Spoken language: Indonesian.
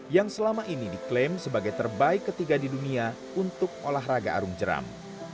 yang selama ini diklaim sebagai terbaik ketiga di dunia untuk olahraga arung jeram